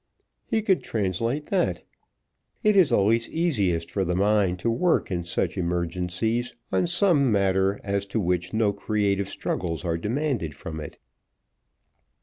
He could translate that. It is always easiest for the mind to work in such emergencies, on some matter as to which no creative struggles are demanded from it.